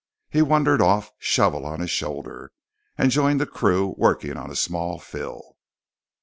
He wandered off, shovel on his shoulder, and joined a crew working on a small fill.